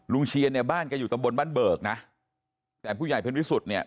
เชียนเนี่ยบ้านแกอยู่ตำบลบ้านเบิกนะแต่ผู้ใหญ่เพ็ญวิสุทธิ์เนี่ย